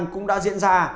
cũng đã diễn ra